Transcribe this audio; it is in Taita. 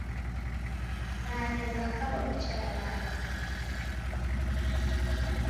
Nande ngakabwa picha ya lagha.